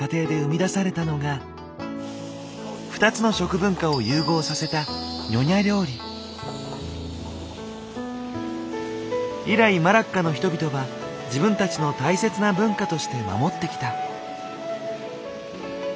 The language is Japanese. ２つの食文化を融合させた以来マラッカの人々は自分たちの大切な文化として守ってきた。